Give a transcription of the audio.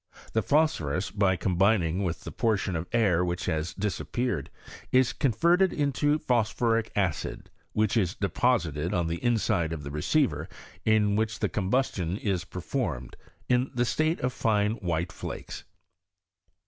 The phosphorus by combining with the portion of air which has disappeared, is converted into phosphoric acid, which is deposited on the inside of tlie recdvet in which the combustion is performed, in the state of fine white flakes.